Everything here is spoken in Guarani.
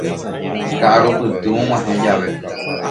Ka'arupytũ og̃uahẽ jave